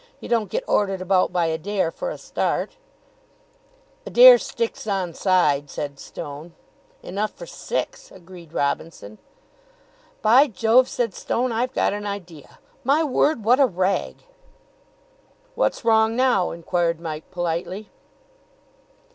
You don't get ordered about by Adair, for a start." "Adair sticks on side," said Stone. "Enough for six," agreed Robinson. "By Jove," said Stone, "I've got an idea. My word, what a rag!" "What's wrong now?" inquired Mike politely.